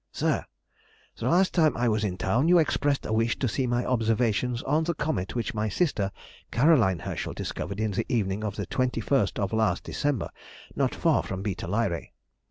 SIR,— The last time I was in town, you expressed a wish to see my observations on the comet which my sister, Caroline Herschel, discovered in the evening of the 21st of last December, not far from β Lyræ.